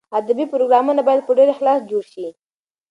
ادبي پروګرامونه باید په ډېر اخلاص جوړ شي.